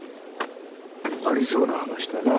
ありそうな話だな。